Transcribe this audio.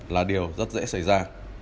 là điều rất dễ xảy ra